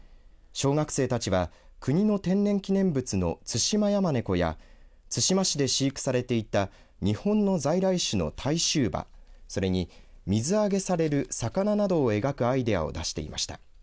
小学生たちは国の天然記念物のツシマヤマネコや対馬市で飼育されていた日本の在来種の対州馬それに水揚げされる魚などを描くアイデアを出していました。